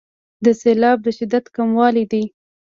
د سیلاب د شدت کمول دي.